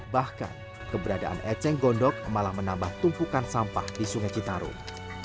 bahkan keberadaan eceng gondok malah menambah tumpukan sampah di sungai citarum